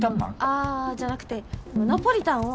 ああじゃなくてナポリタンを。